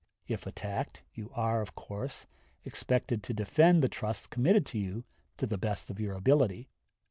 If attacked, you are, of course, expected to defend the trust committed to you to the best of your ability.